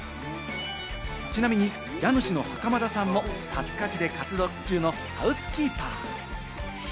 ちなみに家主の袴田さんもタスカジで活動中のハウスキーパー。